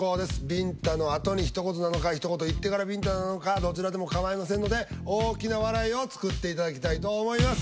びんたのあとにひと言なのかひと言言ってからびんたなのかどちらでもかまいませんので大きな笑いを作っていただきたいと思います。